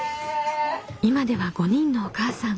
今では５人のお母さん。